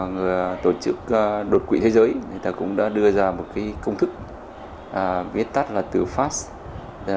người tổ chức đột quỵ thế giới cũng đã đưa ra một công thức viết tắt là từ pháp